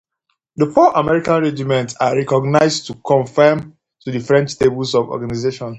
The four American regiments are reorganized to conform to the French tables of organization.